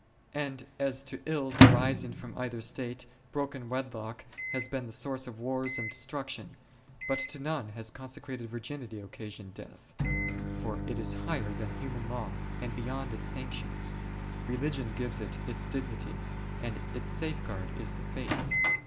And as to ills arising from either state, broken wedlock has been the source of wars and destruction, but to none has consecrated virginity occasioned death, for it is higher than human law and beyond its sanctions ; religion gives it its dignity, and its safeguard is the Faith.